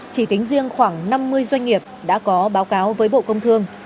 chỉ tính riêng khoảng năm mươi doanh nghiệp đã có báo cáo với bộ công thương